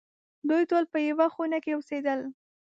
دوی ټول په یوه خونه کې اوسېدل.